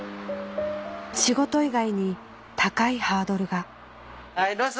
仕事以外に高いハードルがはいどうぞ。